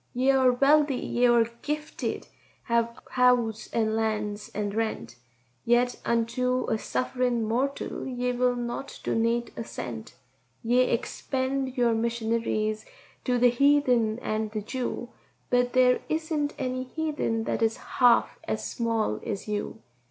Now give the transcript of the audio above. "Ye are wealthy, ye are gifted, ye have house and lands and rent, Yet unto a suff'rin' mortal ye will not donate a cent; Ye expend your missionaries to the heathen and the Jew, But there isn't any heathen that is half as small as you.